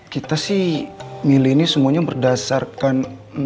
kita sih milih ini semuanya berdasarkan